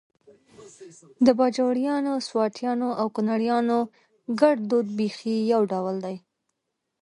د باجوړیانو، سواتیانو او کونړیانو ګړدود بیخي يو ډول دی